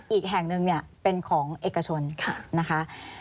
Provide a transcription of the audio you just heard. อีกแห่งหนึ่งเนี่ยเป็นของเอกชนนะคะ